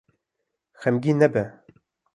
Xemgîn nebe.